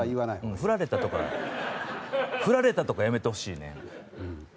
ふられたとか、ふられたとかやめてほしいねん。